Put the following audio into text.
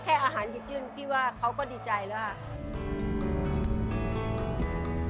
แค่อาหารหยิบยื่นพี่ว่าเขาก็ดีใจแล้วค่ะ